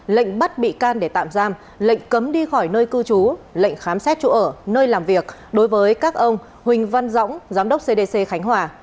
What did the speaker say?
lệnh bắt bị can để tạm giam lệnh cấm đi khỏi nơi cư trú lệnh khám xét chỗ ở nơi làm việc đối với các ông huỳnh văn dõng giám đốc cdc khánh hòa